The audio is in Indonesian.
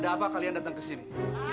ada apa kalian datang ke sini